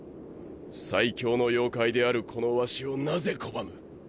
最強の妖怪であるこのワシをなぜ拒む！？